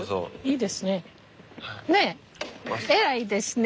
いいですね。